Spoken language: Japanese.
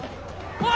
おい！